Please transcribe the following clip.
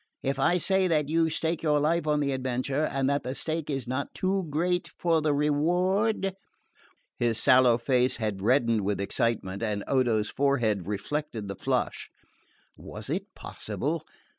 If I say that you stake your life on the adventure, and that the stake is not too great for the reward ?" His sallow face had reddened with excitement, and Odo's forehead reflected the flush. Was it possible